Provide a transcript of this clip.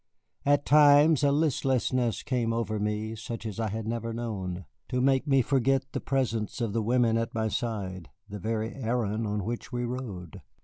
At times a listlessness came over me such as I had never known, to make me forget the presence of the women at my side, the very errand on which we rode.